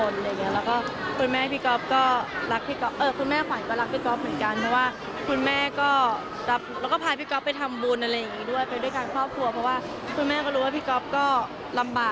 อ๋อนะคะคุณแม่ควันก็รักคุณก็รักเพราะว่าคุณแม่และคุณแม่ก็ติกลับแล้ว